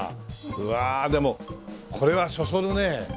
うわあでもこれはそそるね。